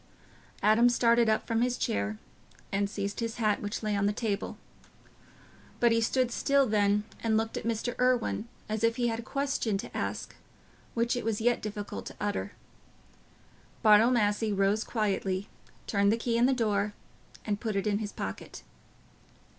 Adam started up from his chair and seized his hat, which lay on the table. But he stood still then, and looked at Mr. Irwine, as if he had a question to ask which it was yet difficult to utter. Bartle Massey rose quietly, turned the key in the door, and put it in his pocket.